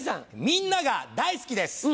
みんなが大好きです！